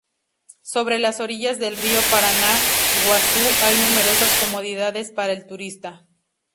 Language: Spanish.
Sobre las orillas del río Paraná Guazú hay numerosas comodidades para el turista.